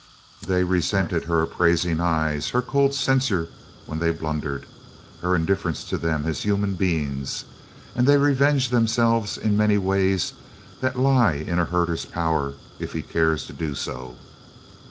They resented her appraising eyes, her cold censure when they blundered, her indifference to them as human beings, and they revenged themselves in the many ways that lie in a herder's power if he cares to do so.